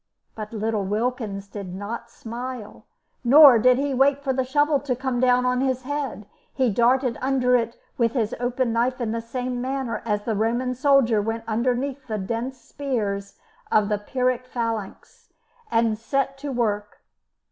But little Wilkins did not smile, nor did he wait for the shovel to come down on his head; he darted under it with his open knife in the same manner as the Roman soldier went underneath the dense spears of the Pyrrhic phalanx, and set to work.